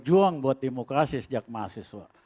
berjuang buat demokratis sejak mahasiswa